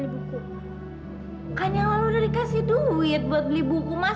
bang yang mau bibir liyan dup spaces